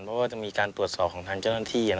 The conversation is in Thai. เพราะว่าจะมีการตรวจสอบของทางเจ้าหน้าที่